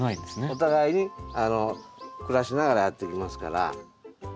お互いに暮らしながらやっていきますから。